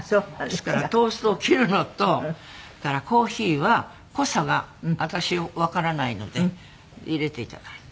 ですからトーストを切るのとそれからコーヒーは濃さが私わからないのでいれて頂いて。